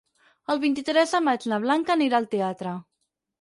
El vint-i-tres de maig na Blanca anirà al teatre.